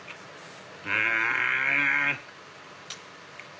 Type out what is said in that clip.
うん！